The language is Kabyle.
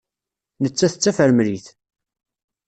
Nettat d tafremlit.